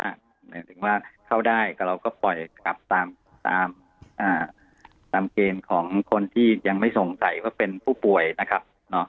หมายถึงว่าเข้าได้ก็เราก็ปล่อยกลับตามเกณฑ์ของคนที่ยังไม่สงสัยว่าเป็นผู้ป่วยนะครับ